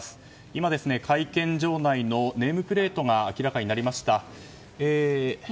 今、会見場内のネームプレートが明らかになりました。